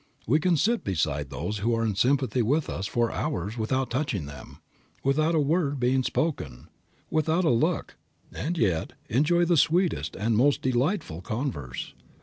We can sit beside those who are in sympathy with us for hours without touching them, without a word being spoken, without a look, and yet enjoy the sweetest and most delightful converse.